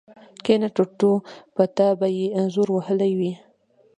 کېنه ټرتو په تا به يې زور وهلی وي.